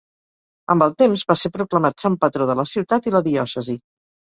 Amb el temps, va ser proclamat sant patró de la ciutat i la diòcesi.